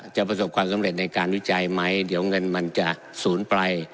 ประสบความสำเร็จในการวิจัยไหมเดี๋ยวเงินมันจะศูนย์ไป